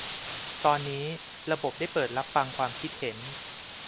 ตอนนี้ระบบได้เปิดรับฟังความคิดเห็น